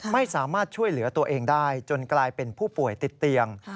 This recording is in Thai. ไม่สามารถช่วยเหลือตัวเองได้จนกลายเป็นผู้ป่วยติดเตียง